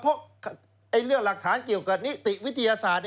เพราะเรื่องหลักฐานเกี่ยวกับนิติวิทยาศาสตร์